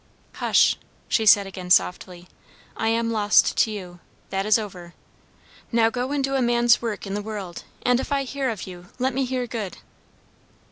"Hush," she said again softly. "I am lost to you. That is over. Now go and do a man's work in the world, and if I hear of you, let me hear good."